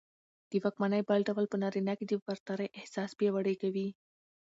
د واکمنۍ بل ډول په نارينه کې د برترۍ احساس پياوړى کوي